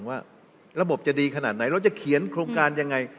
ว่าระบบจะดีขนาดไหนเราจะเขียนโครงการยังไง